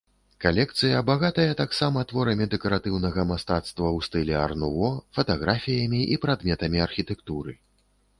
Калекцыя багатая таксама творамі дэкаратыўнага мастацтва ў стылі ар-нуво, фатаграфіямі і прадметамі архітэктуры.